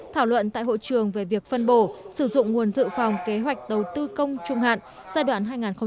thảo luận tại hội trường về việc phân bổ sử dụng nguồn dự phòng kế hoạch đầu tư công trung hạn giai đoạn hai nghìn một mươi sáu hai nghìn hai mươi